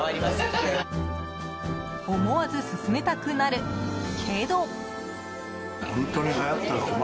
思わず勧めたくなるけど。